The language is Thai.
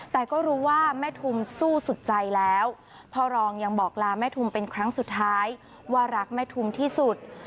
แต่ก็รู้ว่าแม่ทุมสู้สุดใจแล้วพ่อรองยังบอกลาแม่ทุมเป็นครั้งสุดท้ายว่ารักแม่ทุมที่สุด